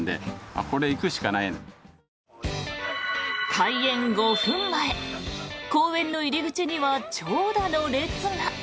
開園５分前公園の入り口には長蛇の列が。